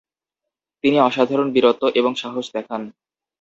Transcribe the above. তিনি অসাধারণ বীরত্ব এবং সাহস দেখান।